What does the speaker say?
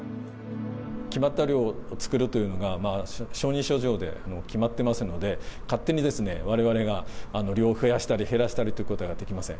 決まった量を作るというのが、承認書で決まってますので、勝手にわれわれが量を増やしたり減らしたりということができません。